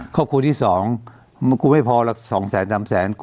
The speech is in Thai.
ครอบครัวที่สองกูไม่พอละสองแสนสามแสน